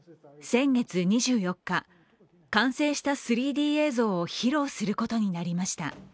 先月２４日、完成した３Ｄ映像を披露することになりました。